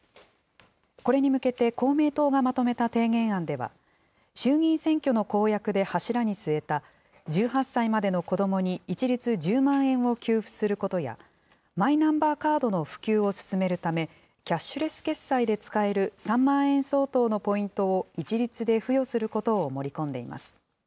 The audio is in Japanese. これに向けて公明党がまとめた提言案では、衆議院選挙の公約で柱に据えた、１８歳までの子どもに一律１０万円を給付することや、マイナンバーカードの普及を進めるため、キャッシュレス決済で使える３万円相当のポイントを一律で付与することを盛り込んでいます。